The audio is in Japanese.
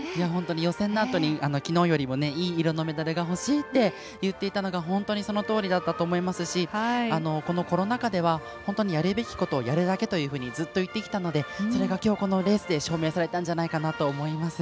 予選のあとにきのうよりいい色のメダルが欲しいって言っていたのが本当にそのとおりだったと思いますし、このコロナ禍ではやるべきことをやるだけとずっといってきたのできょう、このレースで証明されたんじゃないかなと思います。